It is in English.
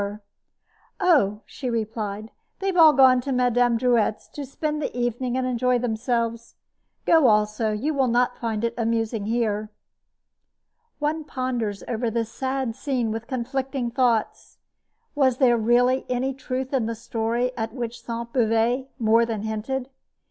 "Oh," she replied, "they've all gone to Mme. Drouet's to spend the evening and enjoy themselves. Go also; you'll not find it amusing here." One ponders over this sad scene with conflicting thoughts. Was there really any truth in the story at which Sainte Beuve more than hinted?